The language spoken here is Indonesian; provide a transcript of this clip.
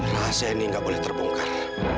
rahasia ini nggak boleh terbongkar